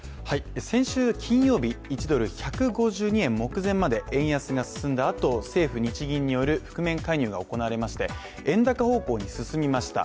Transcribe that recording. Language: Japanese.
先週金曜日、１ドル＝１５２円目前まで円安が進んだあと政府・日銀による覆面介入が行われまして、円高方向に進みました。